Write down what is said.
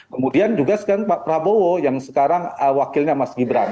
kemudian juga sekarang pak prabowo yang sekarang wakilnya mas gibran